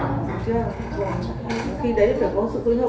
sao lại sang đấy là bố nó đoán luôn được